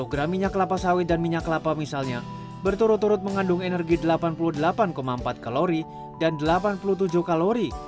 sepuluh gram minyak kelapa sawit dan minyak kelapa misalnya berturut turut mengandung energi delapan puluh delapan empat kalori dan delapan puluh tujuh kalori